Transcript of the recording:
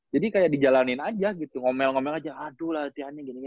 jadi kayak di jalanin aja gitu ngomel ngomel aja aduh latihannya gini